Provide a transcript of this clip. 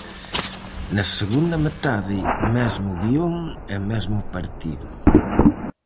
Na segunda metade mesmo guión e mesmo partido.